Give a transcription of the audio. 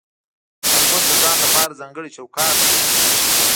هر ګوند د ځان لپاره ځانګړی چوکاټ جوړوي